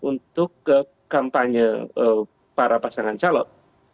untuk kampanye para pasangan calon